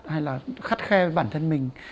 hay là khắt khe với bản thân mình